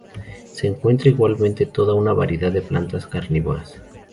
Se encuentra igualmente toda una variedad de plantas carnívoras.